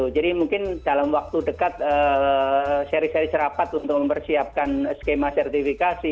jadi mungkin dalam waktu dekat seri seri serapat untuk mempersiapkan skema sertifikasi